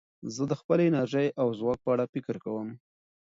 زه د خپلې انرژۍ او ځواک په اړه فکر کوم.